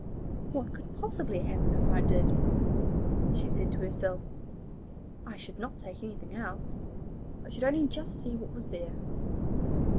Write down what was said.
'What could possibly happen if I did?' she said to herself. 'I should not take anything out. I should only just see what was there.